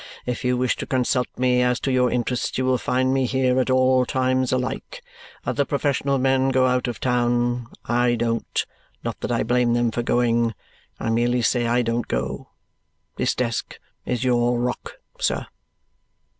If you wish to consult me as to your interests, you will find me here at all times alike. Other professional men go out of town. I don't. Not that I blame them for going; I merely say I don't go. This desk is your rock, sir!"